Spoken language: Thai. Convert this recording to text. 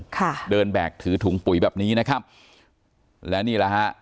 ค่ะเดินแบกถือถุงปุ๋ยแบบนี้นะครับและนี่แหละฮะ